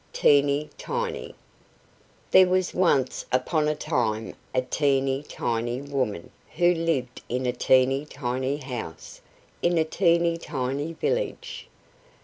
TEENY TINY There was once upon a time a teeny tiny woman who lived in a teeny tiny house in a teeny tiny village.